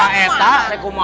tak etak reku ma